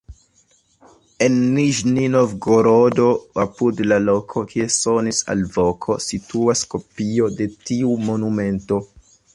En Niĵni-Novgorodo, apud la loko, kie sonis alvoko, situas kopio de tiu monumento.